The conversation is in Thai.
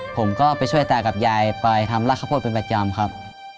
ผมก็ไปช่วยตากับยายไปทำลากข้าวโพดเป็นประจำครับ